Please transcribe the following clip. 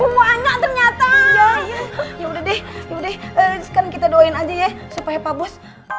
banyak ternyata ya ya ya udah deh sekarang kita doain aja ya supaya pak bos